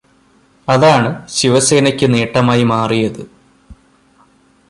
അതാണ് ശിവസേനയ്ക്ക് നേട്ടമായി മാറിയത്.